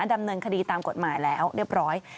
ดำเนินคดีตามกฎหมายแล้วเรียบร้อย